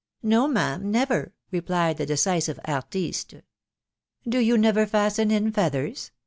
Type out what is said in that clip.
" No, ma'am, never," replied the decisive artiste. " Do yon never fasten in feathers